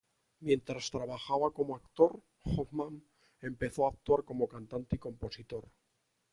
Mientras trabajaba como actor, Hoffmann empezó a actuar como cantante y compositor.